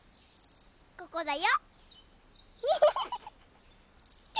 ここだよ！